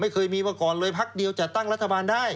ไม่เคยมีประกอบเลยภักดิ์เดียวจะตั้งรัฐบาลได้